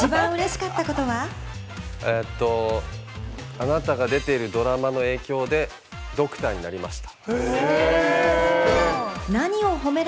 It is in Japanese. あなたが出ているドラマの影響で、ドクターになりました。